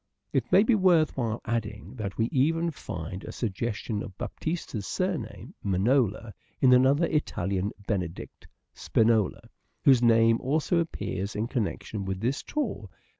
It may be worth while adding that we even find a suggestion of Baptist a's surname, " Minola," in another Italian, Benedict Spinola, whose name also appears in connection with this tour.